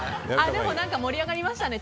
でも盛り上がりましたね